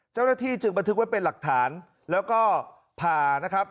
เจ้าหน้าที่จึงบันทึกไว้เป็นหลักฐานแล้วก็ผ่านะครับ